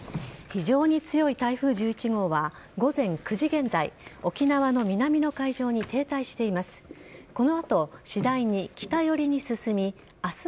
非常に強い台風１１号は午前９時現在沖縄の南の海上に停滞しています。